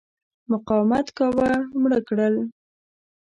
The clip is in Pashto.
مقاومت کاوه مړه کړل.